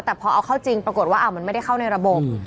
แต่พอเอาเข้าจริงปรากฏว่ามันไม่ได้เข้าในระบบ